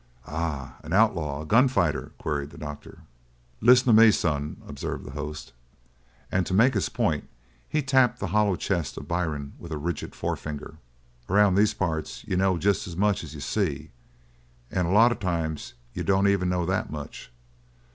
"Ah, an outlaw? A gunfighter?" queried the doctor. "Listen to me, son," observed the host, and to make his point he tapped the hollow chest of Byrne with a rigid forefinger, "around these parts you know jest as much as you see, and lots of times you don't even know that much.